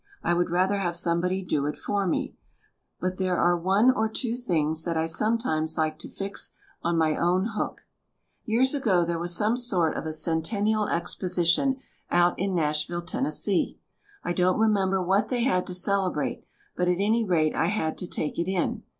I would rather have somebody do it for me, but there are one or two things that I sometimes like to fix on my own hook. Years ago there was some sort of a Centennial Exposi tion out in Nashville, Tenn. I don't remember what they had to celebrate, but at any rate I had to take it in.